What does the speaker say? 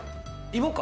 芋か。